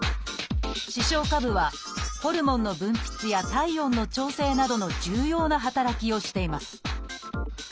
視床下部はホルモンの分泌や体温の調整などの重要な働きをしています。